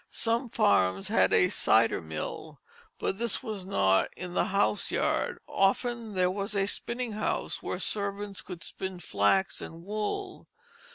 Some farms had a cider mill, but this was not in the house yard. Often there was a spinning house where servants could spin flax and wool.